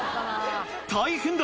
大変だ！